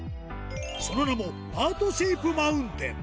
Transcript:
その名も、ハートシェイプマウンテン。